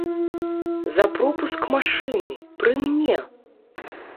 За пропуск машыны, пры мне!